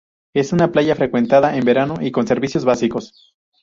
Es una playa frecuentada en verano y con servicios básicos.